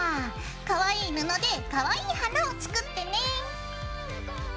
かわいい布でかわいい花を作ってね。